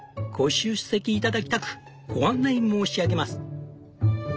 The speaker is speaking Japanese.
ご出席頂きたくご案内申し上げます」。